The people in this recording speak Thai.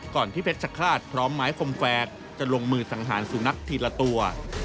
ที่เพชรชะฆาตพร้อมไม้คมแฝดจะลงมือสังหารสุนัขทีละตัว